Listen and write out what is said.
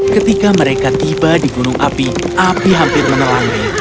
ketika mereka tiba di gunung api api hampir menelan